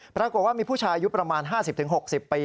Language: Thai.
ปรากฏว่ามีผู้ชายอายุประมาณ๕๐๖๐ปี